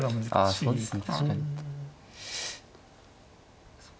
そうですね。